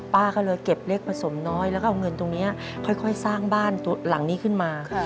ป้าก็เลยเก็บเล็กผสมน้อยแล้วก็เอาเงินตรงนี้ค่อยสร้างบ้านหลังนี้ขึ้นมา